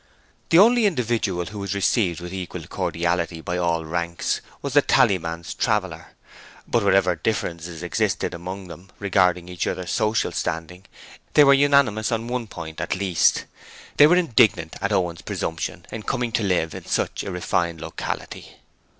The only individual who was received with equal cordiality by all ranks, was the tallyman's traveller. But whatever differences existed amongst them regarding each other's social standing they were unanimous on one point at least: they were indignant at Owen's presumption in coming to live in such a refined locality.